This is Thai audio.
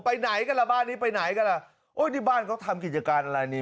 ไปไหนกันล่ะบ้านนี้ไปไหนกันล่ะโอ้นี่บ้านเขาทำกิจการอะไรนี่